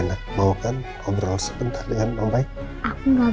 reyna mau kan ngobrol sebentar dengan non incredibly